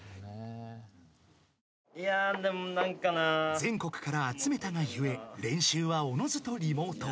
［全国から集めたが故練習はおのずとリモート］